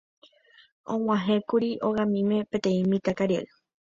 Og̃uahẽkuri hogamíme peteĩ mitãkaria'y.